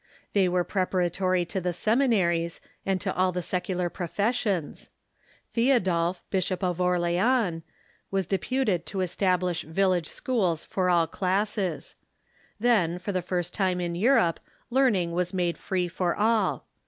They were prepara tory to the seminaries and to all the secular profes ^""stSdies"" ^^^"^ Theodulph, Bishop of Orleans, was deputed to establish village schools for all classes. Then, for the first time in Europe, learning was made free for all.